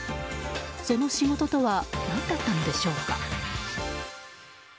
その仕事とは何だったのでしょうか。